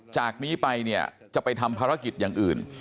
จากนี้ไปเนี่ยจะไปทำภารกิจอย่างอื่น